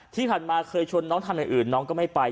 ที่ผ่านมาเคยชวนน้องทำอย่างอื่นน้องก็ไม่ไป